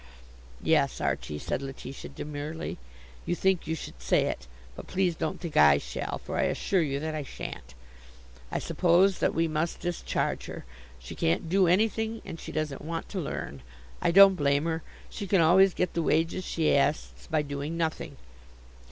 "Yes, Archie," said Letitia demurely, "you think you should say it. But please don't think I shall, for I assure you that I shan't. I suppose that we must discharge her. She can't do anything and she doesn't want to learn. I don't blame her. She can always get the wages she asks by doing nothing.